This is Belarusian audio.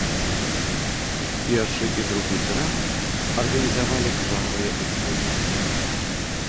Першы і другі тэракт арганізавалі правыя экстрэмісты.